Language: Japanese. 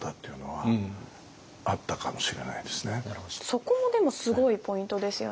そこもでもすごいポイントですよね。